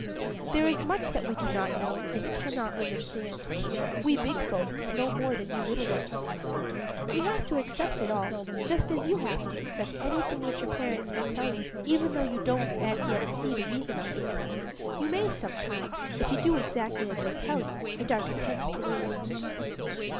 There is much that we do not know and cannot understand we big folks no more than you little ones. We have to accept it all just as you have to accept anything which your parents may tell you, even though you don't as yet see the reason of it. You may sometime, if you do exactly as they tell you, and are content to wait.